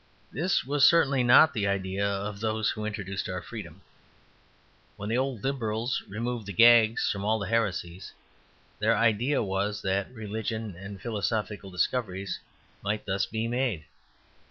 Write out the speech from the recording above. This was certainly not the idea of those who introduced our freedom. When the old Liberals removed the gags from all the heresies, their idea was that religious and philosophical discoveries might thus be made.